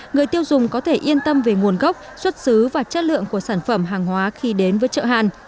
người tiêu dùng có thể yên tâm về nguồn gốc xuất xứ và chất lượng của sản phẩm hàng hóa khi đến với chợ hàn